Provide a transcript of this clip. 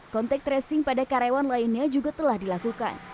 kontak tracing pada karyawan lainnya juga telah dilakukan